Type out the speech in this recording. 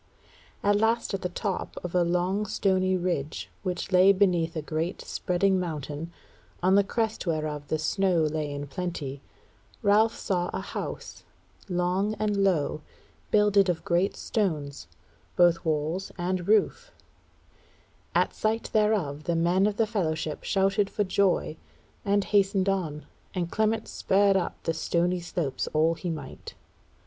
At last at the top of a long stony ridge, which lay beneath a great spreading mountain, on the crest whereof the snow lay in plenty, Ralph saw a house, long and low, builded of great stones, both walls and roof: at sight thereof the men of the fellowship shouted for joy, and hastened on, and Clement spurred up the stony slopes all he might.